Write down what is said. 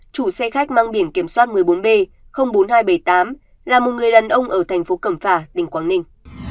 chủ xe khách mang biển kiểm soát một mươi bốn b bốn nghìn hai trăm bảy mươi tám là một người đàn ông ở thành phố cẩm phả tỉnh quảng ninh